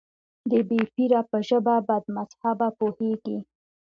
د بې پيره په ژبه بدمذهبه پوهېږي.